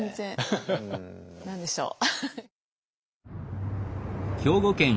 何でしょう？